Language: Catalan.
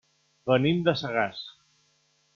Venim de Sagàs.